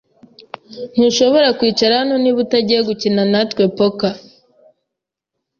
Ntushobora kwicara hano niba utagiye gukina natwe poker.